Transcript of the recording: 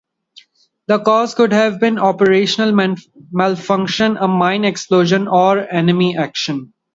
The cause could have been an operational malfunction, a mine explosion, or enemy action.